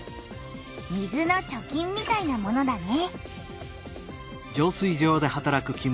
「水の貯金」みたいなものだね。